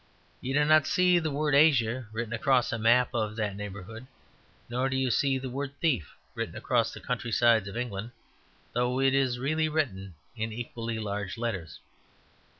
You do not see the word "Asia" written across a map of that neighbourhood; nor do you see the word "Thief" written across the countrysides of England; though it is really written in equally large letters.